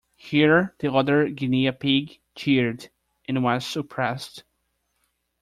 Here the other guinea-pig cheered, and was suppressed.